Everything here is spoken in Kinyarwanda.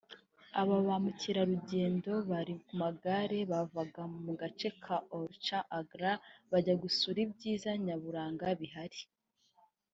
Aba bamukerarugendo bari ku magare bavaga mu gace ka Orchha Agra bajya gusura ibyiza nyaburanga bihari